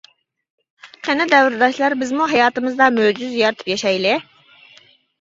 قېنى دەۋرداشلار بىزمۇ ھاياتىمىزدا مۆجىزە يارىتىپ ياشايلى!